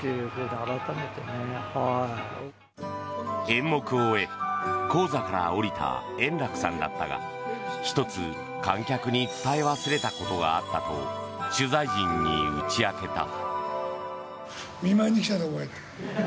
演目を終え、高座から降りた円楽さんだったが１つ、観客に伝え忘れたことがあったと取材陣に打ち明けた。